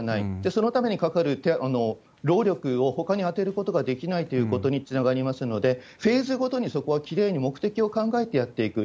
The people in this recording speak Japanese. そのためにかかる労力をほかに充てることができないということにつながりますので、フェーズごとに、そこはきれいに目的を考えてやっていく。